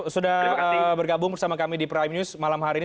sudah bergabung bersama kami di prime news malam hari ini